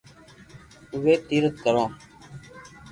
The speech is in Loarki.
اووي تيرٿ ڪرو